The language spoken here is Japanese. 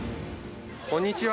こんにちは。